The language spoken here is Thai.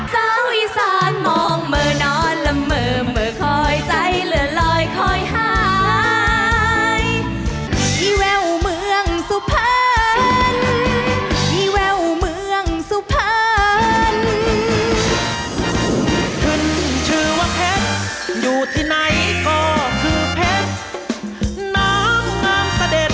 คุณอย่ามาจับจ้วงกับผมไม่ได้นะครับ